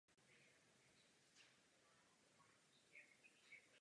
Zřídkakdy přežijí dvě mláďata z páru.